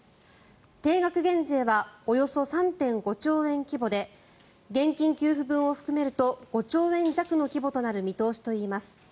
定額減税はおよそ３．５兆円規模で現金給付分を含めると５兆円弱の規模となる見通しといいます。